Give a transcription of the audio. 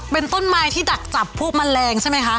เป็นต้นไม้ที่ดักจับพวกแมลงใช่ไหมคะ